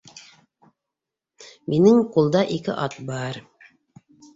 — Минең ҡулда ике ат бар.